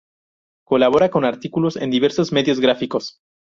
Colabora con artículos en diversos medios gráficos.